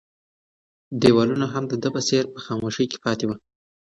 دیوالونه هم د ده په څېر په خاموشۍ کې پاتې وو.